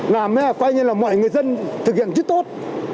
làm mọi người dân thực hiện rất tốt